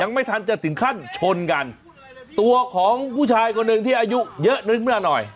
ไม่ทันจะถึงขั้นชนกันตัวของผู้ชายคนหนึ่งที่อายุเยอะนึกมาหน่อย